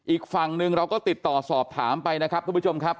อีกฝั่งหนึ่งเราก็ติดต่อสอบถามไปนะครับทุกผู้ชมครับ